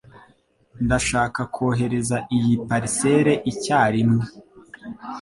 Ndashaka kohereza iyi parcelle icyarimwe.